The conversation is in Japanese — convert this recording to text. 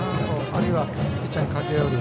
あるいはピッチャーに駆け寄る。